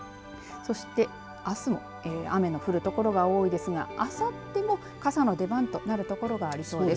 そして、あすも雨が降る所が多いですがあさっても傘の出番となる所がありそうです。